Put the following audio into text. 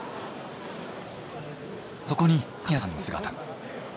そこに神谷さんの姿が。